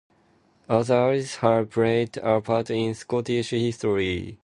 Others have played a part in Scottish history.